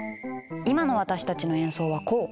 今の私たちの演奏はこう。